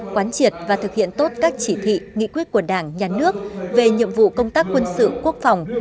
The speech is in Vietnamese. quán triệt và thực hiện tốt các chỉ thị nghị quyết của đảng nhà nước về nhiệm vụ công tác quân sự quốc phòng